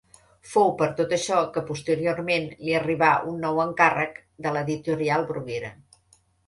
Fou per tot això que posteriorment li arribà un nou encàrrec de l'Editorial Bruguera.